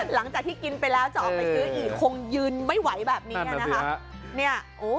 หลังจากที่กินไปแล้วจะออกไปซื้ออีกคงยืนไม่ไหวแบบนี้นะคะ